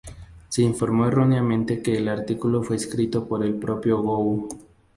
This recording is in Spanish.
Se informó erróneamente que el artículo fue escrito por el propio Gou.